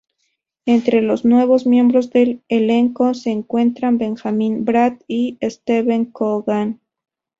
Entre los nuevos miembros del elenco se encuentran Benjamin Bratt y Steve Coogan.